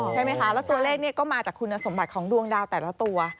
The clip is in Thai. ใช่ไหมคะแล้วตัวเลขก็มาจากคุณสมบัติของดวงดาวแต่ละตัว